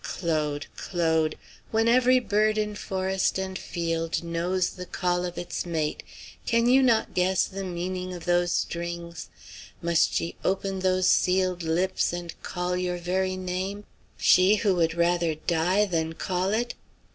Claude, Claude! when every bird in forest and field knows the call of its mate, can you not guess the meaning of those strings? Must she open those sealed lips and call your very name she who would rather die than call it?